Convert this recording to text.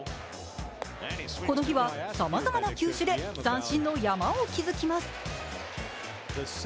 この日はさまざまな球種で三振の山を築きます。